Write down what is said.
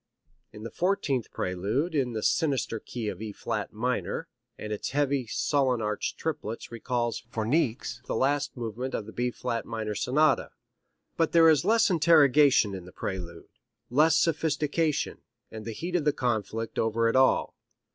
It is the fourteenth prelude in the sinister key of E flat minor, and its heavy, sullen arched triplets recalls for Niecks the last movement of the B flat minor Sonata; but there is less interrogation in the prelude, less sophistication, and the heat of conflict over it all.